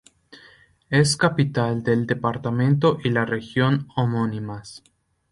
Es capital del departamento y la región homónimas.